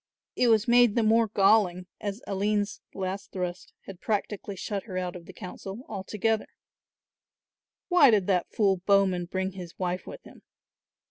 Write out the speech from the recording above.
It was made the more galling as Aline's last thrust had practically shut her out of the council altogether. Why did that fool Bowman bring his wife with him?